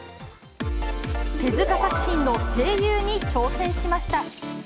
手塚作品の声優に挑戦しました。